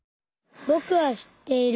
ぼくは知っている。